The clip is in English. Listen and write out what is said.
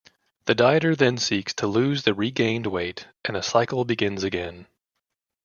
The dieter then seeks to lose the regained weight, and the cycle begins again.